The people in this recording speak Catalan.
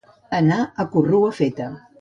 Anar a corrua feta.